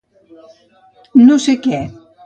No sé què.